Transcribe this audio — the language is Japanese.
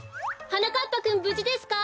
はなかっぱくんぶじですか？